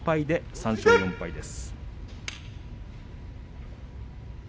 ３勝４敗です。